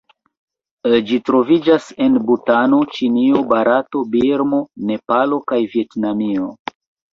Ĝi troviĝas en Butano, Ĉinio, Barato, Birmo, Nepalo kaj Vjetnamio.